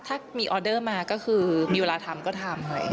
ถ้ามีออเดอร์มาก็คือมีเวลาทำก็ทำ